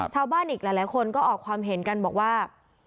ชาวบ้านอีกหลายคนก็ออกความเห็นกันบอกว่า